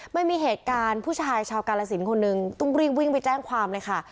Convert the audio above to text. มันมีเหตุการณ์ผู้ชายชาวกาลสินคนนึงต้องรีบวิ่งไปแจ้งความเลยค่ะ